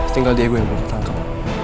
tinggal diego yang belum ketangkap